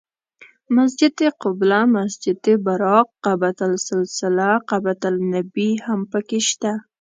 مسجد قبله، مسجد براق، قبة السلسله، قبة النبی هم په کې شته.